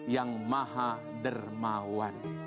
yang maha dermawan